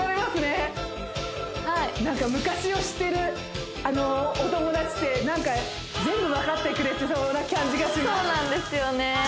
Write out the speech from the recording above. はいなんか昔を知ってるお友達ってなんか全部分かってくれてそうな感じがしますそうなんですよね